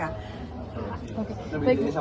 bagaimana dengan yang di inggris